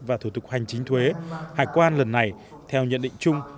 và thủ tục hành chính thuế hải quan lần này theo nhận định chung